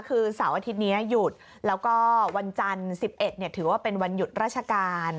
คือเสาร์อาทิตย์นี้หยุดแล้วก็วันจันทร์๑๑ถือว่าเป็นวันหยุดราชการ